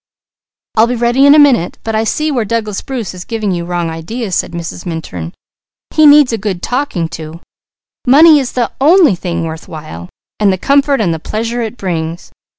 "I'll be ready in a minute, but I see where Douglas Bruce is giving you wrong ideas," said Mrs. Minturn. "He needs a good talking to. Money is the only thing worth while, and the comfort and the pleasure it brings.